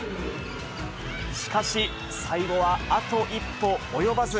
しかし、最後はあと一歩及ばず。